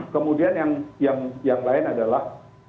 kemudian yang lain adalah